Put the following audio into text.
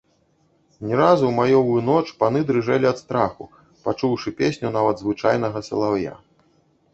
Не раз у маёвую ноч паны дрыжэлі ад страху, пачуўшы песню нават звычайнага салаўя.